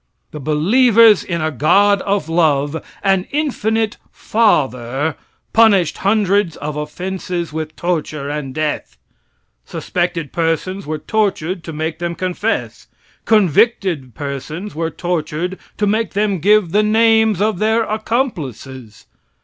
The believers in a God of love an infinite father punished hundreds of offenses with torture and death. Suspected persons were tortured to make them confess. Convicted persons were tortured to make them give the names of their accomplices.